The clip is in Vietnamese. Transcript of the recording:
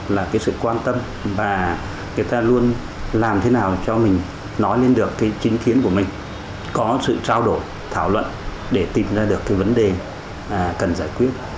là cái sự quan tâm và người ta luôn làm thế nào cho mình nói lên được cái chính kiến của mình có sự trao đổi thảo luận để tìm ra được cái vấn đề cần giải quyết